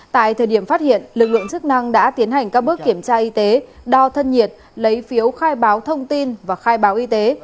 tại thời điểm phát hiện lực lượng chức năng đã tiến hành các bước kiểm tra y tế đo thân nhiệt lấy phiếu khai báo thông tin và khai báo y tế